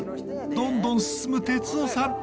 どんどん進む哲夫さん。